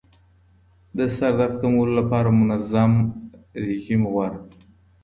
د سردرد کمولو لپاره منظم رژیم غوره دی.